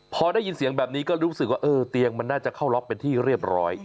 พอได้ยินเสียงแบบนี้ก็รู้สึกว่าเออเตียงมันน่าจะเข้าล็อกเป็นที่เรียบร้อย